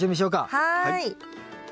はい。